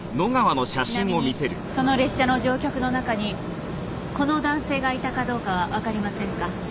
ちなみにその列車の乗客の中にこの男性がいたかどうかはわかりませんか？